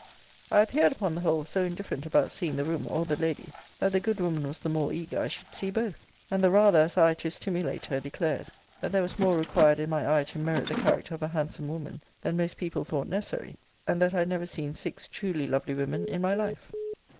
I appeared, upon the whole, so indifferent about seeing the room, or the lady, that the good woman was the more eager I should see both. And the rather, as I, to stimulate her, declared, that there was more required in my eye to merit the character of a handsome woman, than most people thought necessary; and that I had never seen six truly lovely women in my life.